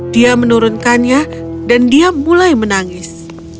dia menurunkannya dan dia mulai menangis